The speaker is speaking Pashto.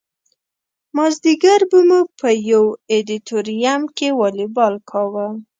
مازدیګر به مو په یو ادیتوریم کې والیبال کاوه.